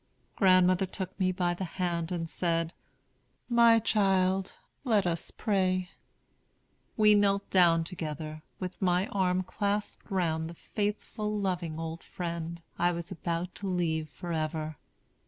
Grandmother took me by the hand and said, 'My child, let us pray.' We knelt down together, with my arm clasped round the faithful, loving old friend I was about to leave forever.